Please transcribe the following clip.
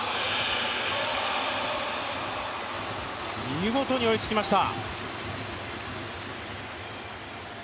見事に追いつきました。